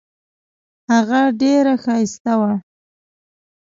هغه ډیره ښایسته وه.